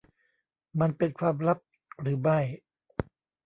มันเป็นความลับหรือไม่ ?